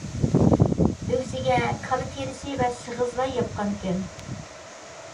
ئۆگزىگە كالا تېرىسى ۋە سېغىز لاي ياپقانىكەن.